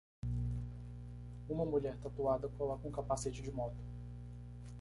Uma mulher tatuada coloca um capacete de moto.